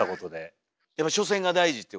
やっぱ初戦が大事っていう。